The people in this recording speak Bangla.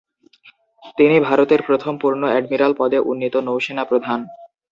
তিনি ভারতের প্রথম পূর্ণ অ্যাডমিরাল পদে উন্নীত নৌসেনা প্রধান।